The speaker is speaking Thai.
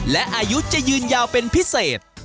และอายุจะยืนยาวเป็นพิเศษ